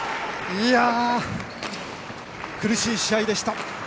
苦しい試合でした。